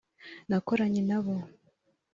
nakoranye nabo